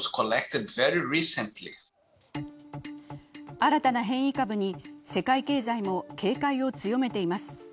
新たな変異株に世界経済も警戒を強めています。